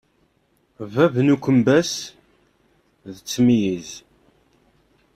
Bab n ukembas d ttemyiz.